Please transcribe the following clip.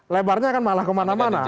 lebarnya kan malah kemana mana